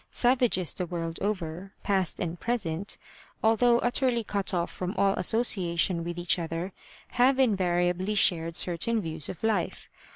Savages the world over, past and present, although utterly cut off from all association with each other, have invariably shared certain views of life.